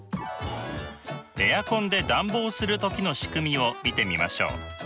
エアコンで暖房する時のしくみを見てみましょう。